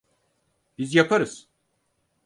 Biz yaparız.